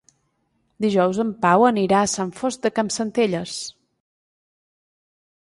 Dijous en Pau anirà a Sant Fost de Campsentelles.